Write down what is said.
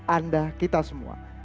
anda kita semua